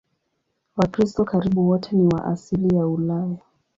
Wakristo karibu wote ni wa asili ya Ulaya.